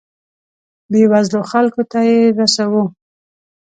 بیوزلو خلکو ته یې رسوو.